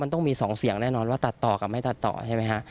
ต้องมี๒เสียงแน่นอนว่าตัดต่อกับไม่ตัดต่อใช่ไหมฮะ